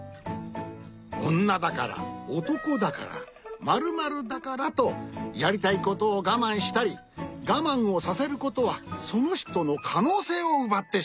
おんなだからおとこだから○○だからとやりたいことをがまんしたりがまんをさせることはそのひとのかのうせいをうばってしまう。